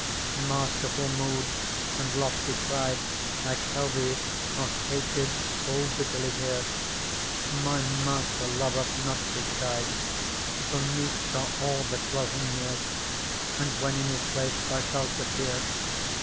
Masterful mood and lofty pride, I tell thee, are hated full bitterly here. My Master loveth not to chide. For meek are all that dwell Him near ; And when in His place thou shalt appear.